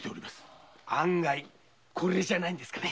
案外コレじゃないんですかね。